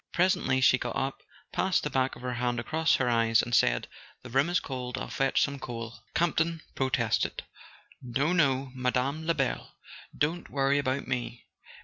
Presently she got up, passed the back of her hand across her eyes, and said: "The room is cold. I'll fetch some coal." Campton protested. "No, no, Mme. Lebel. Don't worry about me.